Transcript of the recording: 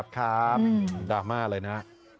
ขอบคุณครับดราม่าเลยนะ